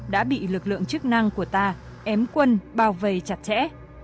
đã bị lực lượng chức năng của ta ém quân bảo vệ chặt chẽ